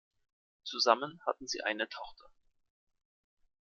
Zusammen hatten sie eine Tochter.